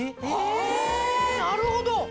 あなるほど！